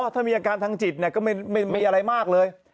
ถ้ามีอาการทางจิตก็ไม่มีอะไรมากเลย